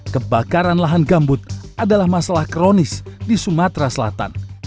kebakaran lahan gambut adalah masalah kronis di sumatera selatan